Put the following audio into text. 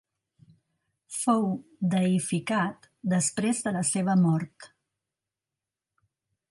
Fou deïficat després de la seva mort.